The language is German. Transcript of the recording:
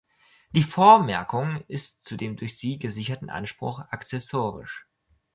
Die Vormerkung ist zu dem durch sie gesicherten Anspruch akzessorisch.